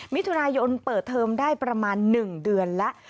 มิถุนายนเปิดเทอมได้ประมาณ๑เดือนแล้ว